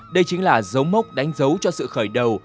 đây chính là dấu mốc đánh dấu cho sự khởi đầu